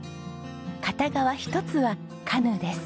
片側１つはカヌーです。